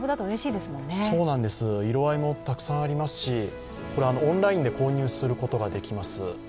色合いもたくさんありますし、オンラインで購入することができます。